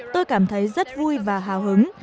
tôi cảm thấy rất vui và hào hứng